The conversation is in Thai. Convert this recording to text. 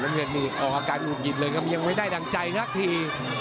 น้ำเงินมีออกอาการหุ้นหยิดเลยกำยังไม่ได้ดั่งใจนักที